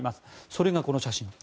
それがこの写真。